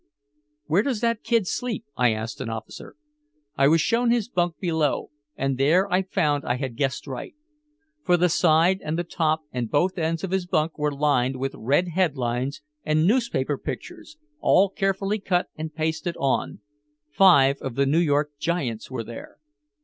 "Where does that kid sleep?" I asked an officer. I was shown his bunk below, and there I found I had guessed right. For the side and the top and both ends of his bunk were lined with red headlines and newspaper pictures all carefully cut and pasted on. Five of the New York "Giants" were there.